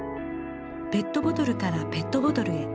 ペットボトルからペットボトルへ。